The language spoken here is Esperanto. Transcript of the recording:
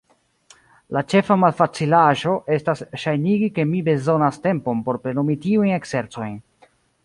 La ĉefa malfacilaĵo estas ŝajnigi ke mi bezonas tempon por plenumi tiujn ekzercojn.